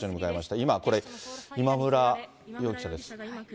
今、これ、今村容疑者です。